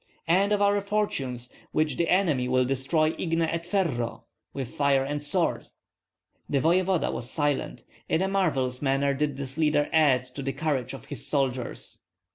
"And of our fortunes, which the enemy will destroy igne et ferro (with fire and sword)." The voevoda was silent. In a marvellous manner did this leader add to the courage of his soldiers.